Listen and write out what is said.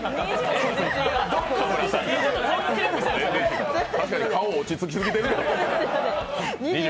確かに顔、落ち着きすぎてるもんな。